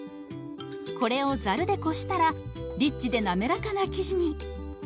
これをザルでこしたらリッチで滑らかな生地に。